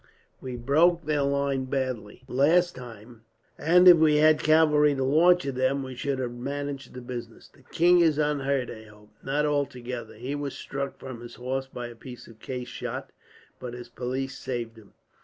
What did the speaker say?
We broke their line badly, last time; and if we had had cavalry to launch at them, we should have managed the business." "The king is unhurt, I hope." "Not altogether. He was struck from his horse by a piece of case shot, but his pelisse saved him.